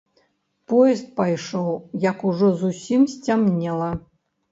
Поезд пайшоў, як ужо зусім сцямнела.